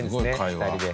２人で。